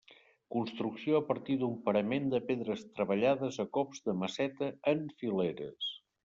Construcció a partir d'un parament de pedres treballades a cops de maceta en fileres.